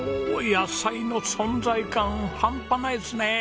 野菜の存在感ハンパないですね！